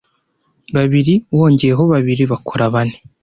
Babiri wongeyeho babiri bakora bane.